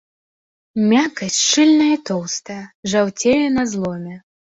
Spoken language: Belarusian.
Мякаць шчыльная і тоўстая, жаўцее на зломе.